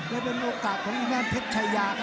เดียวก็เป็นโอกาสของเจ้าแม่เทคชายา